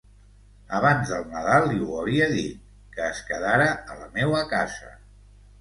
Abans del Nadal li ho havia dit, que es quedara a la meua casa.